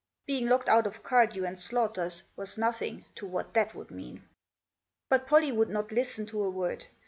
Being locked out of Cardew and Slaughter's was nothing to what that would mean. But Pollie would not listen to a word.